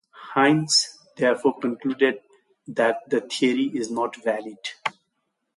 Hines therefore concluded that the theory is not valid.